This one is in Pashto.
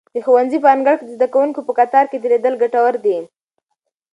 د ښوونځي په انګړ کې د زده کوونکو په کتار کې درېدل ګټور دي.